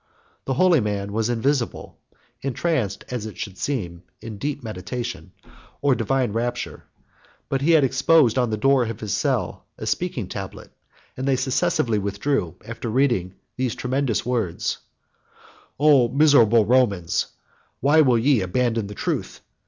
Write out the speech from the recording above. The holy man was invisible; entranced, as it should seem, in deep meditation, or divine rapture: but he had exposed on the door of his cell a speaking tablet; and they successively withdrew, after reading those tremendous words: "O miserable Romans, why will ye abandon the truth?